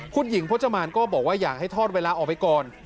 คุณหญิงพจมานก็บอกว่าอยากให้ทอดเวลาออกไปก่อน